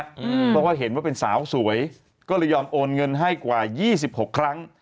เพราะว่าเห็นว่าเป็นสาวสวยก็เลยยอมโอนเงินให้กว่า๒๖ครั้ง